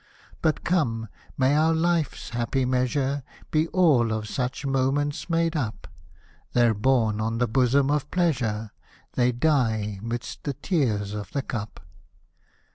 But come, — may our life's happy measure Be all of such moments made up ; They're born on the bosom of Pleasure, They die 'midst the tears of the cup.